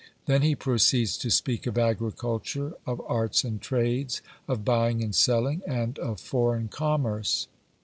Then he proceeds to speak of agriculture, of arts and trades, of buying and selling, and of foreign commerce.